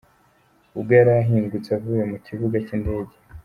Ubwo yari ahingutse avuye mu kibuga cy’indege.